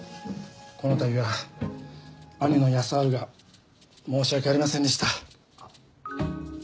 この度は兄の康晴が申し訳ありませんでした。あっ。